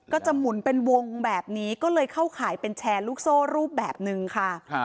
จะหมุนเป็นวงแบบนี้ก็เลยเข้าข่ายเป็นแชร์ลูกโซ่รูปแบบนึงค่ะ